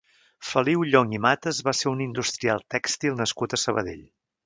Feliu Llonch i Mates va ser un industrial tèxtil nascut a Sabadell.